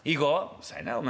「うるさいなお前。